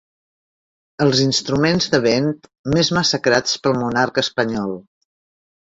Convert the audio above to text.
Els instruments de vent més massacrats pel monarca espanyol.